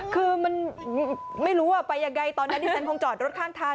คือมันไม่รู้ว่าไปยังไงตอนนั้นที่ฉันคงจอดรถข้างทาง